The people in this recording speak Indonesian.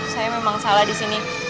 saya memang salah disini